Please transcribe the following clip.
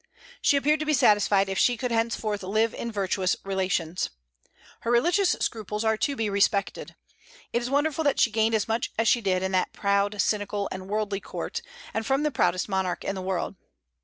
She appeared to be satisfied if she could henceforth live in virtuous relations. Her religious scruples are to be respected. It is wonderful that she gained as much as she did in that proud, cynical, and worldly court, and from the proudest monarch in the world.